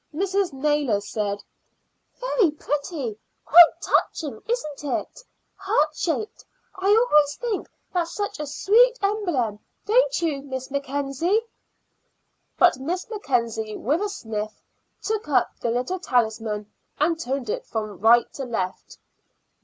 Mrs. Naylor said: "Very pretty; quite touching, isn't it? Heart shaped. I always think that such a sweet emblem, don't you, Miss Mackenzie?" But Miss Mackenzie, with a sniff, took up the little talisman and turned it from right to left.